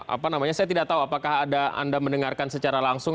apa namanya saya tidak tahu apakah ada anda mendengarkan secara langsung